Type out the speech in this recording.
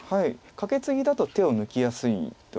カケツギだと手を抜きやすいと。